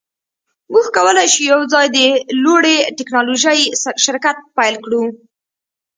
موږ کولی شو یوځای د لوړې ټیکنالوژۍ شرکت پیل کړو